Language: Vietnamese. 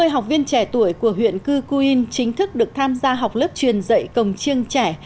bốn mươi học viên trẻ tuổi của huyện cư cuin chính thức được tham gia học lớp truyền dạy cổng chiêng trẻ